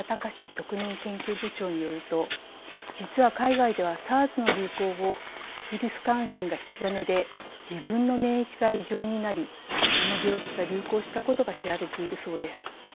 特任研究部長によると実は、海外ではＳＡＲＳの流行後ウイルス感染が引き金で自分の免疫が異常になりこの病気が流行したことが知られているそうです。